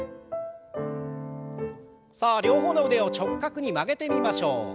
さあ両方の腕を直角に曲げてみましょう。